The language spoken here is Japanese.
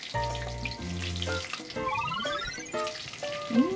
うん！